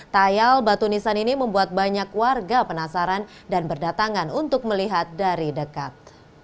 tayal batu nisan ini membuat banyak warga penasaran dan berdatangan untuk melihat dari dekat